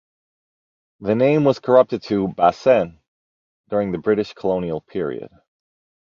The name was corrupted to "Bassein" during the British colonial period.